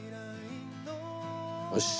よし。